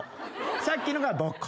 さっきのがボコ。